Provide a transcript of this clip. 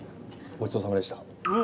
ごちそうさまでした。